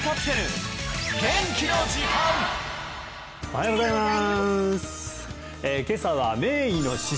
おはようございます